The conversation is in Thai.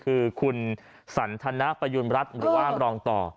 คือคุณสันทนประยุณรัฐหรือว่ารองต่อ